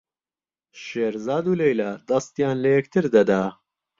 شێرزاد و لەیلا دەستیان لە یەکتر دەدا.